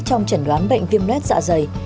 trong trần đoán bệnh viêm lết dạ dày